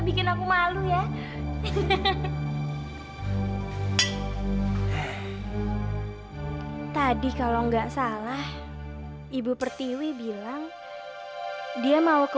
bikin aku malu ya tadi kalau enggak salah ibu pertiwi bilang dia mau ke